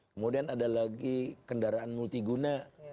kemudian ada lagi kendaraan multi guna